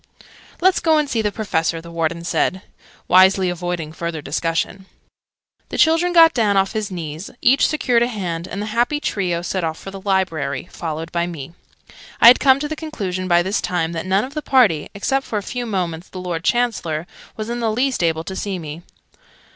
"Let's go and see the Professor," the Warden said, wisely avoiding further discussion. The children got down off his knees, each secured a hand, and the happy trio set off for the Library followed by me. I had come to the conclusion by this time that none of the party (except, for a few moments, the Lord Chancellor) was in the least able to see me.